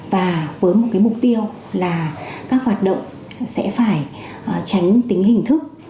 và với một mục tiêu là các hoạt động sẽ phải tránh tính hình thức